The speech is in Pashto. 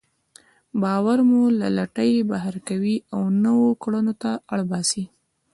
باور مو له لټۍ بهر کوي او نويو کړنو ته اړ باسي.